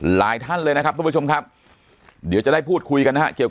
หลายท่านเลยนะครับทุกผู้ชมครับเดี๋ยวจะได้พูดคุยกันนะฮะเกี่ยว